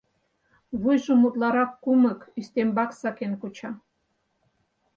Вуйжым утларак кумык, ӱстембак сакен куча.